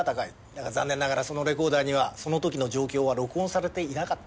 だが残念ながらそのレコーダーにはその時の状況は録音されていなかった。